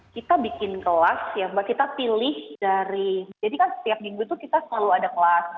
kita bikin kelas ya mbak kita pilih dari jadi kan setiap minggu itu kita selalu ada kelas